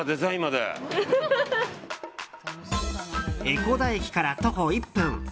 江古田駅から徒歩１分。